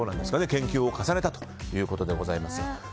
研究を重ねたということでございます。